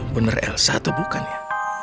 bener elsa atau bukan ya